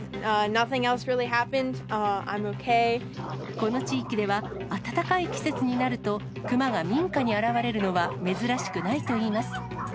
この地域では、暖かい季節になると、熊が民家に現れるのは珍しくないといいます。